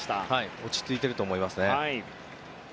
落ち着いていると思います。